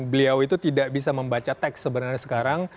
beliau itu tidak bisa membaca teks sebenarnya sekarang